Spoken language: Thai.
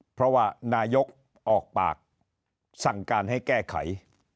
เพราะว่านายกออกปากสั่งการให้แก้ไข